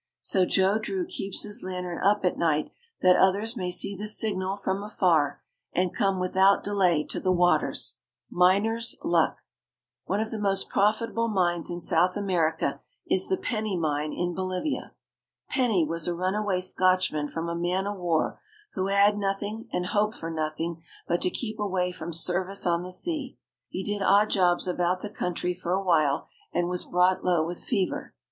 So Joe Drew keeps his lantern up at night that others may see the signal from afar and come without delay to the waters. MINER'S LUCK. One of the most profitable mines in South America is the Penny mine in Bolivia. Penny was a run away Scotchman from a man o' war who had nothing and hoped for nothing but to keep away from service on the sea. He did odd jobs about the country for awhile and was brought low with fever.